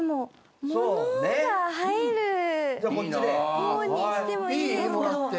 物が入る方にしてもいいですか？